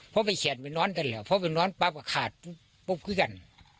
พ่อไปแชนไปนอนกันแล้วพ่อไปนอนปั๊บก็ขาดปุ๊บคือกัน